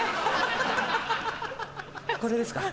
これですか？